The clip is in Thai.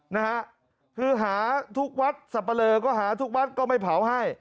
นะฮะคือหาทุกวัดสับปะเลอก็หาทุกวัดก็ไม่เผาให้